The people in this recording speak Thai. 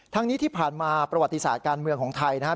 ทั้งนี้ที่ผ่านมาประวัติศาสตร์การเมืองของไทยนะครับ